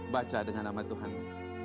baca dengan nama tuhanmu